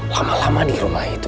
lama lama di rumah itu